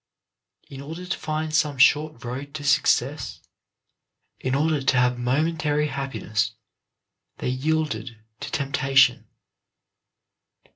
In order to find some short road to success, in order to have WHAT WILL PAY? 93 momentary happiness, they yielded to temptation.